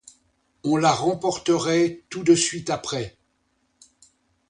On la remporterait tout de suite après.